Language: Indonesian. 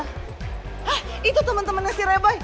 hah itu temen temennya si reboy